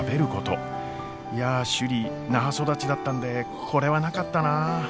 いや首里那覇育ちだったんでこれはなかったなあ。